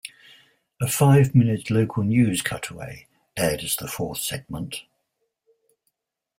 A five-minute local news cutaway aired as the fourth segment.